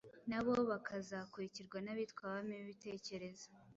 nabo bakazakurikirwa n'abitwa Abami b'Ibitekerezo.